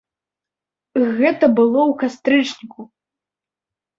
Гэта было ў кастрычніку.